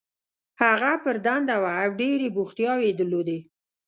هغه پر دنده وه او ډېرې بوختیاوې یې درلودې.